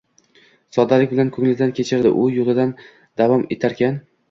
soddalik bilan ko‘nglidan kechirdi u yo‘lida davom etarkan.